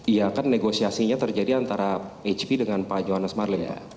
iya kan negosiasinya terjadi antara hp dengan pak johannes marlim ya